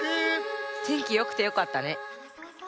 てんきよくてよかったね。